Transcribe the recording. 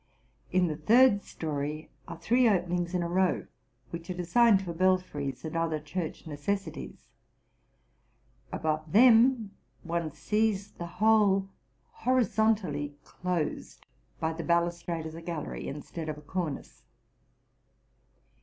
In the third story are three openings in a row, which are designed for belfries and other church necessities. Above them one sees the whole horizon tally closed by the balustrade of the gallery, instead of a cor nice.